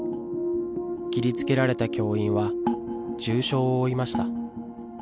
切りつけられた教員は重傷を負いました。